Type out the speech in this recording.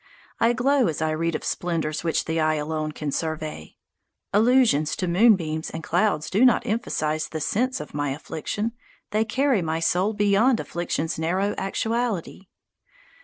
I glow as I read of splendours which the eye alone can survey. Allusions to moonbeams and clouds do not emphasize the sense of my affliction: they carry my soul beyond affliction's narrow actuality.